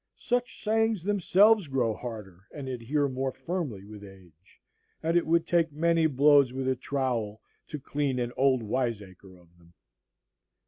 Such sayings themselves grow harder and adhere more firmly with age, and it would take many blows with a trowel to clean an old wiseacre of them.